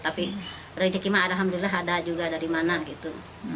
tapi rezeki mah alhamdulillah ada juga dari mana gitu